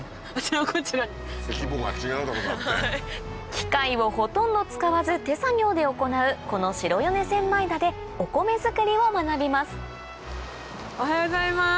機械をほとんど使わず手作業で行うこの白米千枚田でお米づくりを学びますおはようございます。